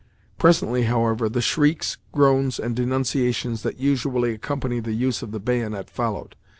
Presently, however, the shrieks, groans, and denunciations that usually accompany the use of the bayonet followed.